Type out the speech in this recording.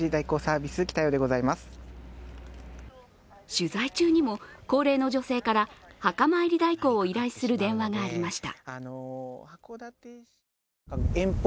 取材中にも高齢の女性から墓参り代行を依頼する電話がありました。